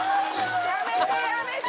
やめてやめて！